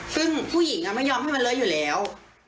ซึ่งผู้หญิงไม่ยอมให้มันเลอะอยู่แล้ว